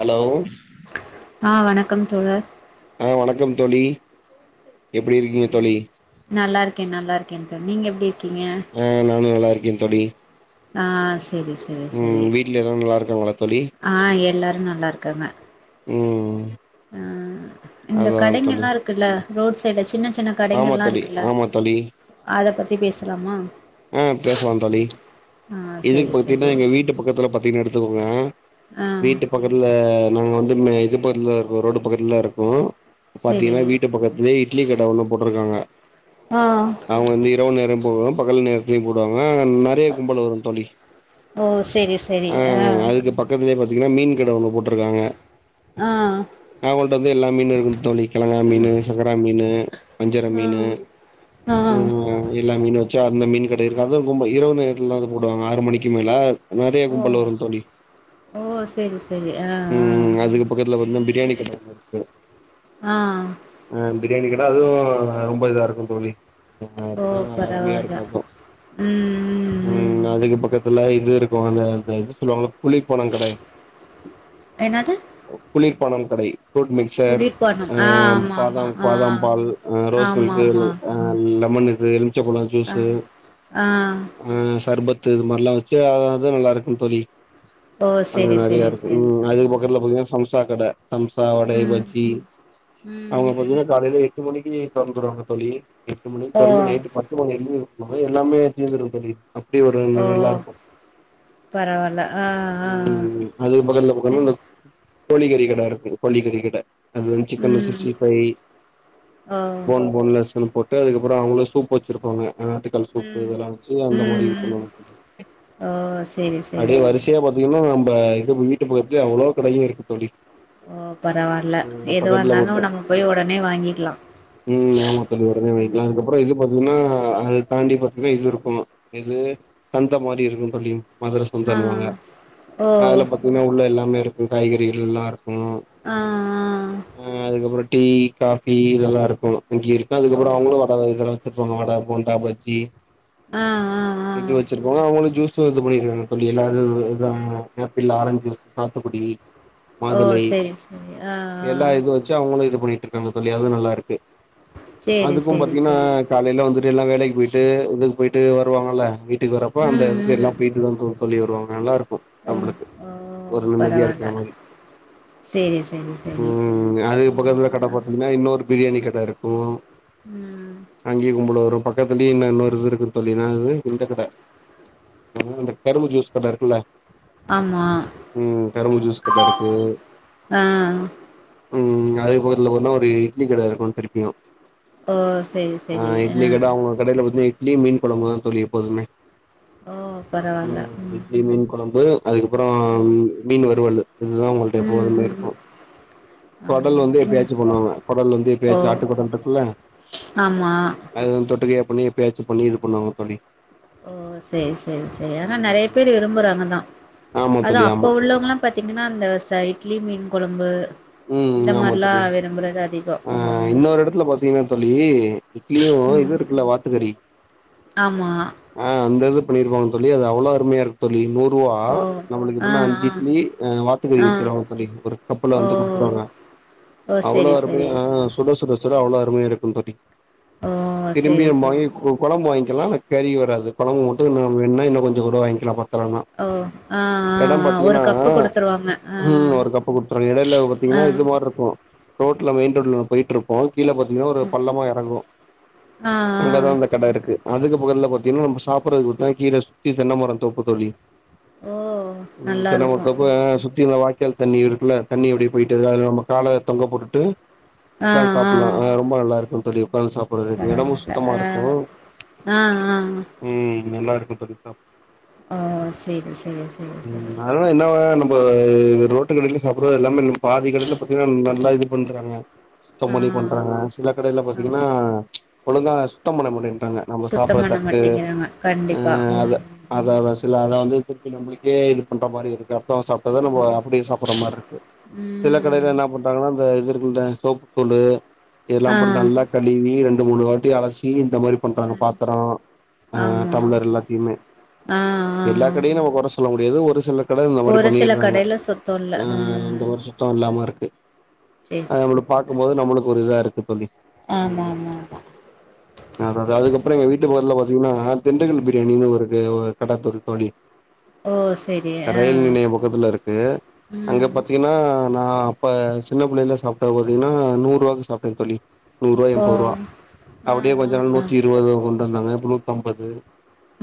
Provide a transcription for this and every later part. Hello ஆ வணக்கம் தோழர் ஆ வணக்கம் தோழி எப்டி இருக்கீங்க தோழி நல்லார்க்கே நல்லார்க்கே தோ நீங்க எப்டி இருக்கீங்க நானு நல்லார்க்கே தோழி ஆ செரி செரி ம் செரி வீட்ல எல்லா நல்லா இருக்காங்களா தோழி ஆ எல்லாரு நல்லார்க்காங்க ம் ஆ இந்த அதா தோழி கடைங்கல்லா இருக்குல்ல ரோட் சைட்ல சின்ன சின்ன ஆமா கடைகள்ல்லா தோழி இருக்குல்ல ஆமா தோழி அத பத்தி பேசலாமா ஆ பேசலா தோழி ஆ இதுக்கு செரி பாத்தீங்கன்னா செரி எங்க வீட்டு பக்கத்துல பாத்தீங்கன்னா எடுத்துக்கோங்க ஆ வீட்டு பக்கத்துல நாங்க வந்து இது பக்கத்துலதா இருக்கோ ரோடு பக்கத்துலதா இருக்கோ செரி பாத்தீங்கன்னா வீட்டு பக்கத்திலயே இட்லி கடை ஒன்னு போட்ருக்காங்க ஆ அவங்க வந்து இரவு நேரம் போடுவாங்க பகல் நேரத்துலயு போடுவாங்க கே கும்பல வரு தோழி ஓ செரி செரி ஆ அதுக்கு பக்கத்திலேயே பாத்தீங்கன்னா மீன் கடை ஒன்னு போட்டு இருக்காங்க ஆ நாங்கள்க்ட வந்து எல்லா மீனு இருக்குன் தோழி கிழங்கா மீனு சங்கரா மீனு வஞ்சர ஆ மீனு ஆ ம் எல்லா மீனு வச்சா அந்த மீனனு கடைய இருக்கு அது ஒரு கும்பல் இரவு நேரத்துலதா அத போடுவாங்க ஆறு மணிக்கு மேல நெறைய ஓ கும்பல் வரு தோழி ஓ செரி செரி ஆ ம் ம் அதுக்கு பக்கத்துல [unintelligible] பிரியாணி கட ஒன்னு இருக்கு ஆ ஆ பிரியாணி கட அதுவு ரொம்ப இதா இருக்கு தோழி ஓ அப்பதா அருமையா பரவால்ல இருக்கு அது ம் ம் அதுக்கு பக்கத்துல இது இருக்கு அந்த இது சொல்லுவாங்க குளிர்பணம் கடை என்னது குளிர்பணம் கடை ஃப்ரூட் மிக்சர் கூட்டிட்டு போறணும் ஆ ஆம் ஆமா ஆமா பாதாம் ஆ பாதாம் பால் ஆ ரோஸ் ஆமா மில்க்கு ஆமா ஆ லெமன் இது எலிமிச்ச பழ அ ஆ ஆ சர்பத்து இது மாதிரில்லா வச்சு அதுவு நல்லாருக்கு தோழி ஓ அதுவு செரி நெறைய செரி இருக்கு செரி ம் அதுக்கு பக்கத்துல பாத்தீங்கன்னா சம்சா கட சம்சா வடை ம் பஜ்ஜி ம் அவங்க பாத்தீங்கன்னா காலையில எட்டு மணிக்கு தொறந்துருவாங்க தோழி எட்டு மணிக்கு ஓ தொடர்ந்து நைட்டு பத்து மணி வரையிலு இது எல்லாமே தீந்துரு தோழி அப்டி ஒரு ஓ நல்லாருக்கு பரவால்ல ஆ ஆ ஆ. ம் அதுக்கு பக்கத்துல பக்கத்துல அந்த கோழிகறி கடை இருக்கு கோழிக்கறி கடை அதுல சிக்கன் ம் சீஸ்டி பை ஓ போன் போன்லெஸ்ன்னு போட் அதுக்கப்பற அவங்களு சூப் வச்சிருப்பாங்க [unintelligible] மட்டன் சூப் ம் இதெல்லா வச்சு ம் அந்த மாரி இது ம் பண்ணுவாங்க தெரியு ஓ செரி செரி அப்டியே செரி வரிசையா ப இனிமே நம்ப இது வீட்டுக்கு பக்கத்துலே அவ்ளோ கடையே இருக்கு தோழி ஓ பரவால்ல எதுவா பக்கத்துல இருந்தாலு மட்டு நம்ம போய் உடனே வாங்கிக்கலா ம் ஆமா தோழி ஒடனே வாங்க்கலா ம் அதுக்கப்றோ இது பாத்தீங்ன்னா அ நைண்டி பெர்ஸன்ட்ஜ் இது இருக்கனோ எது சந்த மாரி இருக்கூ தோழி மதுர ஆ சந்தன்னு வாங்க ஓ அதுல பாத்தீங்ன்னா உள்ள எல்லாமே இருக்கூ காய்கறிகள் எல்லா இருக்கூ ஆ அ அதுக்கப்றோ டீ காஃபி இதெல்லா இருக்கூ இட்லி இருக்கூ ஆ அதுக்கப்றோ ஓ அவுங்களு வ த இதல்லா வச்சிருப்பாங்க வட போண்டா பஜ்ஜி ஆ ஆ ஆ இது வச்சிருப்பாங்க அவுங்களு ஜூஸு இது பண்ணிருக்காங்க தோழி எல்லாது ஆப்பிள் ஆரஞ்சு ஜூஸ் சாத்துக்குடி ஓ மாதுளை செரி செரி ஆ ஆ எல்லா இதுவு ச்சு அவுங்களு இது பண்ணிட்டு இருக்காங்க தோழி அதுவு நல்லா இருக்கு சேரி அதுக்கும் சேரி பாத்தீங்ன்னா சேரி ஆ காலையில வந்துட்டு எல்லா வேலைக்கு போயிட்டு இதுக்கு போயிட்டு வருவாங்கல்ல வீட்டுக்கு வரப்ப ம் அந்த இதுக்கு எல்லா ம் போயி ட்டுதா தோழி வருவாங்க நல்லா இருக்கு ஓ நம்பளுக்கு ஓ ஒரு நிம்மதியா பரவால்ல இருக்கற மாரி சேரி சேரி சேரி ம் ஆ அதுக்குப் பக்கத்துல கட பாத்திங்கன்னா இன்னொரு பிரியாணி கட இருக்கு ம் அங்கயு கும்பல் வரு பக்கத்துலயே இன்னு இன்னொரு இது இருக்குது தோழி என்னாது இந்த கட அந்த கரும்பு ஜூஸ் கட இருக்குல்ல ஆமா ம் கரும்பு ஜூஸ் கட இருக்கு ஆ ம் அதுக்கு பக்கத்துல போனா ஒரு இட்லி கட இருக்கு திருப்பியு ஓ சரி சரி அ அந்த கடைல வந்து இட்லி மீன் கொழம்புதா தோழி எப்போதுமே ஓ பரவால்ல ம் இட்லி மீன் கொழம்பு அதுக்கப்பறோ ம் மீன் வறுவல்லு இதுதா அவுங்கள்ட்ட ம் எப்போதுமே ம் இருக்கு ஆமா கொடல் வந்து எப்பயாச்சு பண்ணுவாங்க கொடல் வந்து ஓ எப்பயாச்சு ஆட்டு கொடல் இருக்குல்ல ஆமா அது வந்து தொட்டுக்கையா பண்ணி எப்பயாச்சு பண்ணி இது பண்ணுவாங்க தோழி ஓ செரி செரி செரி ஆனா நெறைய ம் பேர் இரும்பறாங்கதா ஆமா அது தோழி ஆமா அப்ப உள்ளவங்களா பாத்திங்கன்னா அந்த ச இட்லி மீன் கொழம்பு ம் இந்த ஆமா மார்லா தோழி விரும்புறது அதிகோ ஆ ம் இன்னொரு எடத்துல பாத்திங்னா தோழி இட்லியு இது ம் இருக்குல்ல வாத்துக்கறி ஆமா ஆ அந்த இது பண்ணிருப்பாங்க தோழி அது அவ்ளோ அருமையா இருக் தோழி நூறுவா ஓ நம்மளுக்கு ஆ எப்பின்னா அஞ்சு இட்லி வாத்துக்கறி ஆ ஆ வெச்சுருவாங்க தோழி ஒரு கப்புல ஓ வந்து குடுத் துருவாங்க ஓ அவ்ளோ செரி அருமையா செரி ஆ சுட சுட சுட அவ்ள அருமையா இருக்கு தோழி ஓ செரி திரும்பியு செரி போயி செரி கொழம்பு வாங்க்கலா ஆனா கறி வராது கொழம்பு மட்டு இன்ன வேணுனா இன்னு கொஞ்ச கூட வாங்கிக்கலா பத்தலனா ஓ ஆ ஆ எடம் ஆ ஒரு பாத்திங்கனா கப்பு குடுத்துருவாங்க ஆ ம் ஒரு கப்பு குடுத்தராங்க எடைல ஆ சின்னா இது மார் இருக்கும் ரோட்ல மெயின் ரோட்ல போயிட்ரு ப்போ கீழ பாத்திங்னா ஒரு பள்ளமா எறங்கு ஆ ஆ அங்கதா அந்த கட இருக்கு அதுக்கு பக்கத்துல பாத்திங்னா நம்ம சாப்டறதுக் பாத்தினா கீழ சுத்தி தென்னமர தோப்புத்தோழி ஓ ம் தென்ன நல்லாருக்கு மரத் தோப்பு அ சுத்தி இருந்த வாய்க்கால் தண்ணி இருக்குல தண்ணி இப்டி போயிட்டு அதுல நம்ம கால தொங்க போட்டுட்டு ஆ உக்காந்து ஆ சாப்புலா அ ரொம்ப நல்லாருக்கு தோழி உக்காந்து சாப்படுறக்கு எடமு பரவால்ல சுத்தமா இருக்கு ஆ ஆ அ ம் நல்லாருக்கு பெருசா ஆ சேர் சேர் சேர் சேரி ஆ என்ன நம்ம ரோட்டு கடைல சாப்பற எல்லாமே பாதி கடைல பாத்திங்னா நல்லா இது பண்றாங்க சுத்தம் ஆ பண்ணி பண்றாங்க சில கடைல ஆ பாத்திங்னா ஒழுங்கா சுத்தம் பண்ண மாட்டேன்டாங்க நம்ம சுத்தம் சாப்பற பண்ண தட்டு மாட்டேங்கிறாங்க அ கண்டிப்பா ம் அத அதா அதா சில அத வந்து திருப்பி நம்மளுக்கே இது பண்ற மாரி இருக்கு அடுத்தவ சா ப்ட்டதா நம்ம அப்டியே சாப்புற மாரி இருக்கு சில கடைல என்ன பண்றாங்கன்னா இந்த இது இருக்குல சோப்புத்தூளு இதெலா ஆ ம் ஆ போட்டு நல்லா கழுவி ரெண் டு மூணு வாட்டி அலசி இந்த மாரி பண்றாங்க ம் பாத்தர அ ஆமா டம்ளர் எல்லாத்தைமே ஆ ஆ எல்லா கடையு நம்ம கொற சொ சொல்ல முடியாது ஒரு சில கடைல இந்த மாரி ஒரு சில பண்ணிறாங்க கடையில சுத்தோ இல்ல இந்த ம் மாரி சுத்த அதா இல்லாம அதா இருக்கு செரி அத செரி நம்மளுக் பாக்கும் போது கரெக்ட்டு நம்மளுக்கு ஒரு இதா இருக்கு தோழி ஆமா ஆமா ஆமா அ அதா அதுக்கப்பறோ எங்க வீட்டு பக்கத்துல பாத்தீங்கன்னா திண்டுக்கல் பிரியாணின்னு ஒரு ஆ ஒருக் கட இருக்கு தோழி ஓ செரி ஆ ரயில் நிலைய பக்கத்துல இருக்கு அங்க ம் பத் பாத்தீங்கன்னா நா அப்ப சின்ன புள்ளைல சாப்ட்டே பாத்தீங்கன்னா நூறு ரூபாவுக்கு சாப்ட்டே தோழி நூறு ரூபாய் ஓ எண்பது ரூபா ஆ அப்டியே கொஞ்ச ஆ நாள் ஆ நூத்தி இருபது கொண்டு வந்தாங்க இப்ப நூத்தி அம்பது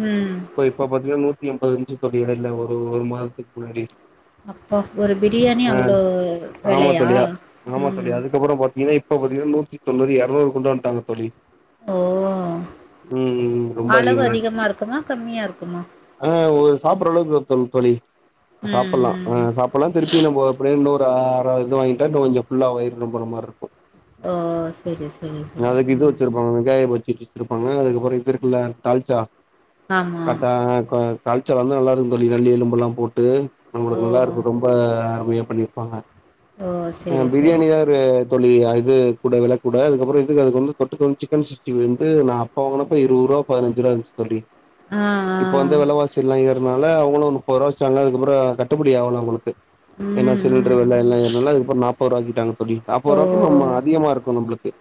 ம் இப்ப இப்ப பாத்தீங்கன்னா நூத்தி எண்பது இருச்சு தோழி இடைல்ல ஒரு ஒரு மாசத்துக்கு முன்னாடி அப்பா ஒரு பிரியாணி ஆ அவ்ளோ ஆமா வெலையா தோழியா ஆமா தோழியா ம் அதுக்கப்பறோ பாத்தீங்கன்னா இப்ப பாத்தீங்கன்னா நூத்தி தொண்ணூறு எரநூறு கொண்டு வந்துட்டாங்க தோழி ஓ ம் ம் ம் ரொம்ப அதிகமாச் நியா இருக்குமா ஆ ஒரு சாப்பற அளவுக்கு தோல் தோழி சாப்பலா ஆ ம் ம் சாப் பலா திருப்பி நம்போ போயி அப்ப இன்னொரு அர இது வாங்கிட்டா இன்ன கொஞ்சோ ஃபுல்லா வயிரு ரொம்பர மாரி இருக்கு ஓ சேரி சேரி சேரி அதுக்கு இது ம் வச்சிருப்பாங்க வெங்காய பச்சேடி வச்சுட்டு இருப்பாங்க அதுக்கப்பறோ இது இருக்குள்ள தாலிச்சா ஆமா காட்டா ஆ கோ தாலிச்சா வந்து நல்லா இருக்கு தோழி நல்லி எலும்பெல்லா போட்டு ஓ நம்மளுக்கு நல்லா இருக்கு ரொம்ப அருமையா பண்ணியிருப்பாங்க ஓ ஆ செரி செரி பிரியாணிதா ஒரு செரி தோழி இது கூட வெலக்கூட அதுக்கப்றோ இதுக்கு அது வ தொட்டுக்க வந்து சிக்கன் சிக்ஸ்டி பை வந்து நாப் அப்ப வாங்குனப்ப இருவது ரூபா பதிஞ்சு ரூபா இருந்துச்சு தோழி ஆ ஆ இப்ப வந்து விலவாசி எல்லா ஏறுனனால அவங்களு முப்பருவா வச்சாங்க அதுக்கப்புறோ கட்டுப்படி ஆகலா அவங்களுக்கு ஏன்னா ம் சிலிண்டர் ம் வெல எல்லா ஏறுனனால அதுக்கப்றோ நாற்பது ரூவாக்கிட்டாங்க தோழி நாற்பது ஓ ருவாக்கு நம்ம அதிகமா இருக்கு நம்மளுக்கு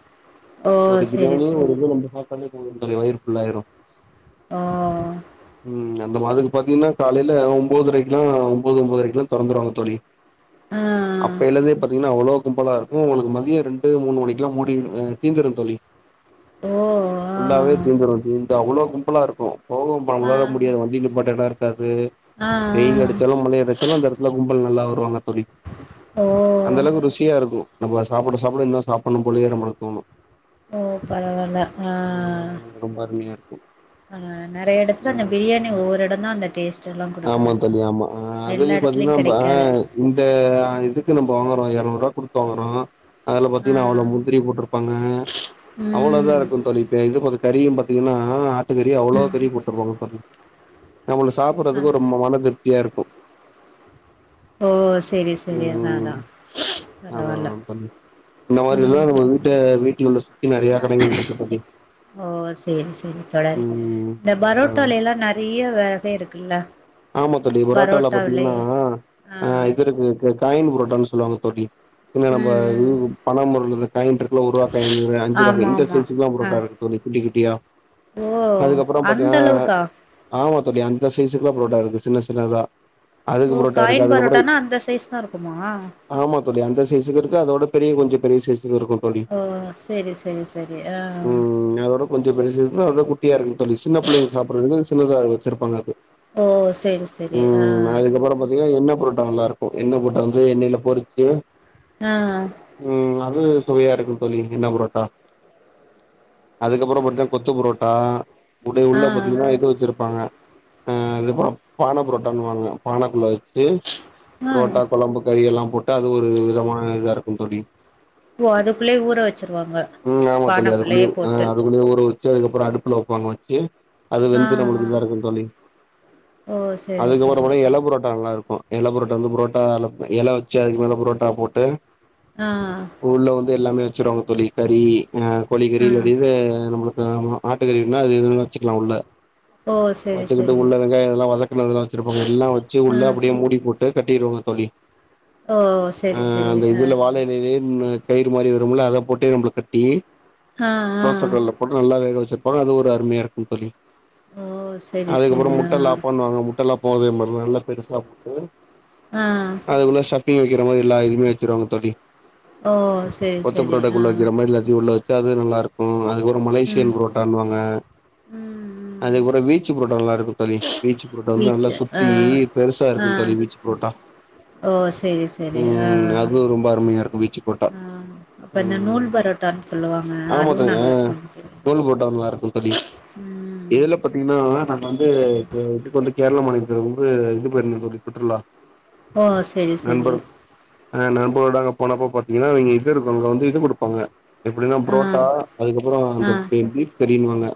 ஓ ஒரு செரி பிரியாணிய செரி ஒரு இது செரி நம்ம சாப்டாலே வயிறு ஃபுல்ல ஆயிரு ஆ ம் அந்த மாதக்கு பாத்தீங்கன்னா காலையில ஒன்பதரைக்கு எல்லா ஒன்ம்பது ஒன்பதரைக்கு எல்லா திறந்துருவாங்க தோழி ஆ ஆ. அப்பேலந்தே பாத்திங்கனா அவ்ளோ கும்பலா இருக்கு உங்களுக்கு மதியோ ரெண்டு மூணு மணிக்குல்லா மூடிரு தீந்திரரு தோழி ஓ ஆ ஃபுல்லாவே சீர்ந்துரு திந்து அவ்ளோ கும்பலா இருக்கு சோகம்பா ஆ உங்களால முடியாது வண்டி நிப்பாட்ட எடோ இருக்காது ஆ ஆ வெயில் அடிச்சாலு மழை அடிச் சாலு அந்த இடத்துல கும்பல் நல்லா வருவாங்க தோழி ஓ அந்தளவுக்கு ருசியா இருக்கு நம்ம சாப்பிட சாப்பிட இன்னு சாப்பிடு போலேயே நம்மக்கு தோணு ஓ பரவாயில்லா ஆ ம் ரொம்ப அருமையா இருக்கு ஆ நெறைய இடத்துல அந்த ம் பிரியாணி ஒவ்வொரு இடோ தா அந்த டேஸ்ட் எல்லா ஆமா குடுக்குறது தோழி ஆமா ஆ அதுலையு எல்லா எடத்துலயு பாத்தீங்கன்னா ஆ கெடைக்காது இந்த இதுக்கு நம்ம வாங்குறோ எரநூறு ரூபா குடுத்து வாங்குறோ அதுல ஆ பாத்தீங்கன்னா அவ்ளோ முந்திரி போட்டிருப்பாங்க அவ்ளோ இதா ம் இருக்கு தோழிப்ப இ பாத் கறியு பாத்தீங்கன்னா ஆட்டு கறி அவ்ளோ ம் கறி போட்டுருப்பாங்க தோழி நம்ம சா ஆ ப்பறதுக்கு ரொம்ப மன திருப்தியா இருக்கு ஓ சேரி சேரி அதா அதா ம் அதா பரவாயில்ல அதா தோழி இந்த மாரி எல்லா நம்ம வீட்ட வீட்டுல உள்ள சுத்தி நெறைய கடைகள் இருக்கு தோழி ஓ சேரி சேரி தோழர் ம் இந்த அதா பரோட்டோ ல்லாம் ந நெறைய வகை இருக்குல்ல ஆமா தோழி பரோட்டால பாத்தீங்கன்னா பரோட்டாவிலயே ஆ அஹ் இது இருக்கு காயின் புரோட்டான்னு சொல்லுவாங்க தோழி என்னா நம்ம ம் ம் பண போறதுள்ள காயின் இருக்கு இல்ல ஒரு ரூபா காயின் அஞ்சு ரூபா ஆமா இண்டர் ஆமா சைஸக்கு எல்லாம் ஆ புரோட்டா இருக்கு தோழி குட்டி குட்டியா ஓ அதுக்கப்புறம் அந்த பாத்தீங்கன்னா அளவுக்கா ஆமா தோழி அந்த சைசுக்குல்லா ப்ரோடக்ட் இருக்கு சின்ன சின்னதா அதுக்கு ஓ புரோட்டா இருக்கு காயின் அதுக்கப்புறம் பரோட்டானா அந்த சைஸ் தா இருக்குமா ஆமா தோழி அந்த சைஸ் க்கு இருக்கு அதோட பெரிய கொஞ்ச பெரிய சைசுக்கு இருக்கும் தோழி ஓ சேரி சேரி சரி ஆஹ் ம்ம் அதோட கொஞ்ச பெரிய சைஸ் தா குட்டியா இருக்கு தோழி சின்ன பிள்ளைங்க சாப்டறதுக்கு சின்னதா வச்சருப்பாங்க அது ஓ சேரி ம் அதுக்கப்பற பாத்தீங்கன்னா எண்ணெ பரோட்டா நல்லா இருக்கும் எண்ணெய் புரோட்டா வந்து எண்ணெயில பொறிச்சு ஆ ம் அது சுவையா இருக்கும் தோழி என்ன புரோட்டா அதுக்கப்பற பாத்தீங்கன்னா கொத்து பரோட்டா உட ஆ உள்ள பாத்தீங்கன்னா ஆ இது வச்சிருப்பாங்க ஆ அதுப்பற பானை புரோட்டான்னுவங்கங்க பானைக்குள்ள வச்சு ஆ புரோட்டா கொழம்பு கறி எல்லா போட்டு அது ஒரு விதமான இதா இருக்கும் தோழி ஓ அதுக்குள்ளயே ஊற வச்சிருவாங்க ம் ஆமா தோழி அதுக்குள்ளயே பானக்குள்ளயே போட்டு ஆஹ் அதுக்குள்ளயே ஊற வைச் சி அதுக்கப்பற அடுப்புல வைப்பாங்க வச்சு அது ஆ வெந்து நம்மளுக்கு ஆ இதா இருக்கு தோழி ஓ சேரி அதுக்கப்புறம் சேரி பாத்தா எல புரோட்டா நல்லா இருக்கும் இலைப் புரோட்டா வந்து புரோட்டா இலை வச்சு அதுக்கு மேல புரோட்டா போட்டு ஆ உள்ள வந்து எல்லாமே வச்சிருவாங்க தோழி கறி ஆ ஆ கோழிக்கறி அப்டினு நம்மளுக்கு ஆமா ஆட்டு கறினா அது எது வேண்ணா வச்சிக்கலா உள்ள ஓ செரி வத்துக்கிட்டு செரி உள்ள வெங்காய இதெல்லா வதக்கதன்னதுல்லா வச்சிருப்பாங்க எல்லா வச்சு ஆ உள்ள அப்டியே மூடி போட்டு கட்டிடுவாங்க தோழி ஓ ஆ செரி செரி அந்த ஆ இதுல வாழ இலையே ம் கயிறு மாரி வரும்ல அத போட்டே நம்மளுக் கட்டி ஆ ஆ தோச கல்ல நல்லா வேக வச்சிருப்பாங்க அது ஒரு அருமயா இருக்கு தோழி ஓ செரி செரி அதுக்கப்றோ ஆ முட்டல்லாப்பாண்ணுவாங்க முட்டல்லாப்பாவு அதே மாரி தா நல்லா பெருசா போட்டு ஆ அதுக்குள்ள ஷப்பி்ங் வைக்க மாரி எல்லா இதுவுமே வச்சருவாங்க தோழி ஓ செரி கொத்து செரி பரோட்டா ஆ உள்ளவக்கிற மாரி எல்லாத்தயு உள்ள து நல்லா இருக்கு அதுக்கபற ம் மலேசியன் பரோட்டான்னு வாங்க ம் ம் அதுக்கபற வீ பிச்சி புரோட்டா நல்லா இருக்கும் தோழி பீச்சி புரோட்டா வந்து நல்லா பீச்சு ஆ சுத்தி பெருசா ஆ இருக்கு தோழி பீச்சி புரோட்டா ஓ செரி செரி ஆ ம் அது ரொம்ப அருமயா இருக்கு பீச்சு பரோட்டா இப்போ இந்த நூல் பரோட்டான்னு சொல்லுவாங்க அதுவு நல்லாருக்கு நூல் பரோட்டா நல்லா இருக்கும் தோழி எதுல பத்தி இன்னு நம்ம வந்து இதுக்கு வந்து கேரள மாநிலத்து வந்து இது போயிருந்த தோழி சுற்றுலா ஓ செரி செரி ஆ நம்பளோட அங்க போனப்ப பாத்தீங்கன்னா நீங்க இது இருக்கு அங்க வந்து இத கொடுப்பாங்க எப்டின்னா ஆ புரோட்டா அதுக்கபறோ ஆ அந்த பீப் பீப் கரினுவாங்க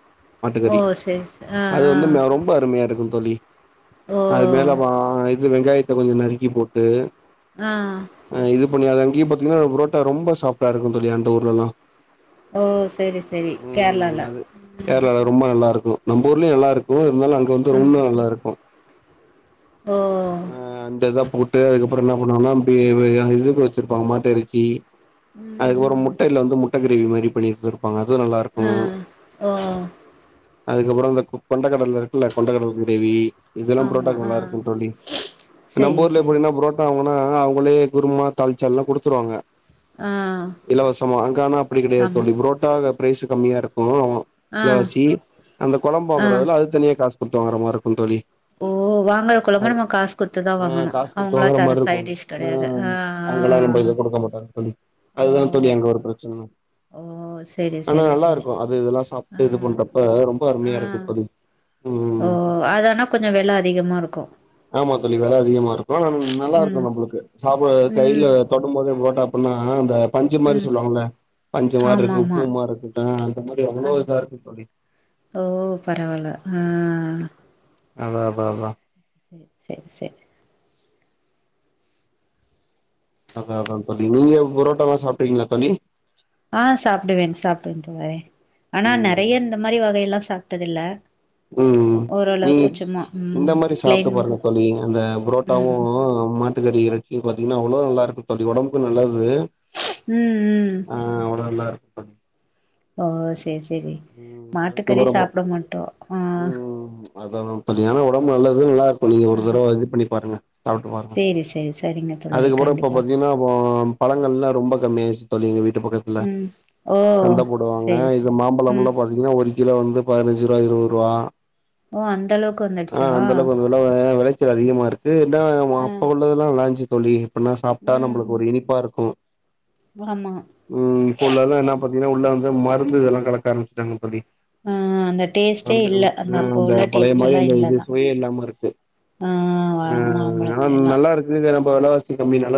ஓ செரி செரி அது வந்து மே ரொம்ப அருமையா இருக்கு தோழி ஓ அது மேல மா இது வெங்காயத்த கொஞ்சோ நறுக்கி போட்டு ஆ அ இது பண்ணி அது அங்கயே பாத்தீங்கன்னா புரோட்டா ரொம்ப சாப்டா இருக்கு தோழி அந்த ஊர்லல்லா ஓ செரி செரி ம் கேர்ளால அது கேரளால ரொம்ப நல்லாருக்கு நம்ப ஊர்லயு நல்லாருக்கு இருந்தாலு அங்க வந்து ம் ரொம்ப நல்லாருக்கு ஓ அ அந்த இத போட்டு அதுக்கப்றோ என்ன பண்ணுவாங்னா அப்டியே இதுக்கு வெச்சிருப்பாங்க மாட்டு இறச்சி அதுக்கப்றோ ம் ம் முட்டைல வந்து முட்ட கிரேவி மாரி பண்ணிரு இரு ப்பாங்க அது நல்லாருக்கு ஆ ஓ அதுக்கப்றோ இந்த கு கொண்ட கடல இருக்குல கொண்ட கடல கிரேவி இதெல்லா ஆமா புரோடாக்கு ஆ நல்லா இருக்கு தோழி நம்ம செரி ஊர்ல செரி எப்டின்னா செரி புரோட் என்ன ஆவுனா அவுங்களே குருமா தாளி்சல்லா குடுத்துருவாங்க ஆ இலவசமா அங்க ஆனா அப்டி கெடையாது ஆமா தோழி புரோட்டா பிரரைஸ் கம்மியா இருக்கு ஆ அ வசி அந்த குழம்ப ஆ வாங்கறதுல அது தனியா காசு கொடுத்து வாங்குற மாரி இருக்கு தோழி ஓ வாங்கற அது கொழம்ப நம்ம காசு கொடுத்துதா வாங்கணு அவங்களா தர சைடுடிஸ்கு அ அங்கல்லா ரொம்ப கொடுக்க மாட்டாங்க தோழி ஆ ஓ அதுதா தோழி அங்க ஒரு பிரச்சன ஓ செரி ஆனா செரி செரி நல்லாருக்கு அது இதுல ஆ சாப்ட்டு இது பண்றப்ப ரொம்ப அருமயா இருக்கு ஆ தோழி ஓ ம் அதனா கொஞ்சோ வெல அதிகமா இருக்கு ஆமா தோழி வெல அதிகமா இருக்கு ஆனா நல்லா இருக்கு ம் நம்மளுக்கு சாப்ட கைல ம் தொடும்போதே ப்ரோட அப்ன்னா அந்த பஞ்சு மாரி ம் சொல்வாங்கள பஞ்சு மாரி ஆமா இருக்கு ஆமா பூமாருக்கு அ அந்த மாரி அவ்ளோ அந் இதா இருக்கு தோழி ஓ பரவால ஆ அதா அதா அதா சேரி சேரி சேரி அதா அதா தோழி நீங்க புரோட்டாலா சாப்ட்ருக்கீங்களா தோழி ஆ சாப்டுவேன் சாப்டுவேன் தோழறே ஆனா ம் நெறைய இந்த மாரி வகை எல்லா சாப்டது இல்ல ம் ம் நீ இந்த ம் மாரி பிளைன் சாப்ட்டு பாருங்க தோழி அந்த புரோட்டாவு ம் ம் சத்துக்கறி இறச்சி பாத்தீங்கன்னா அவ்ளோ நல்லாருக்கு தோழி ஒடம்புக்கு நல்லது ம் ம் அ அவ்ளோ நல்லாருக்கு ஓ சேரி சேரி ம் மாட்டுக்கறி அதுக்கப்புறமா சாப்ட மாட்டோ அ ம் அதா அதா பத்திங்கன்னா ஒடம்பு நல்லது நல்லாருக்கு நீங்க ஆ ஒரு தடவ இது பண்ணி பாருங்க சாப்ட்டு பாருங்க சேரி சேரி சரிங்க தோழரே அதுக்கப்றோ இப்ப கண்டிப்பா பாத்தீங்கன்னா அப்போ பழங்கள்ல்லா ரொம்ப கம்மி ஆயிருச்சு தோழி எங்க வீட்டு பக்கத்துல ம் ஓ சந்த போடுவாங்க சேரி இது சேரி மாம் ம் பழமுல்லா பாத்தீங்கன்னா ஒரு கிலோ வந்து பதினஞ்சு ரூபா இருவது ரூபா ஓ அந்தளவுக்கு வந்துடுச்சா எல்லா விளைச்சல் அதிகமா இருக்கு இன்ன ஆ அப்ப உள்ளதெல்லா நல்லாருஞ்சு தோழி அப்பன்னா சாப்ட்டா நம்பளுக்கு ம் ஒரு இனிப்பா இருக்கு ஆமா ம் இப்ப உள்ளல்லா என்னா பாத்தீங்கன்னா உள்ள வந்து மருந்து இதெல்லாம் கலக்க ஆரம்பச்ட்டாங்க தோழி ஆ அந்த டேஸ்ட்டே இல்ல நடந்துக்கணு ம் அ அப்போ அந்த உள்ள பழைய டேஸ்ட் மாரி எல்லா அந்த இது இல்லதா சுவையே இல்லாம இருக்கு ஆ ஆ மாம்பழத்துல நெலம் எல்லா நல்லா இருக்குது நெலம் இப்போ வெலவாசி கம்மினாலோ